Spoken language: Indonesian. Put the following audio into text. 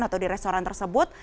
atau di restoran tersebut